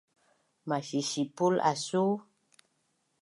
Masisipul asuu?